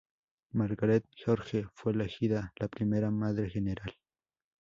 Margaret George fue elegida la primera madre general.